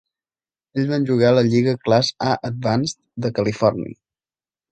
Ells van jugar a la Lliga Class A-Advanced de Califòrnia.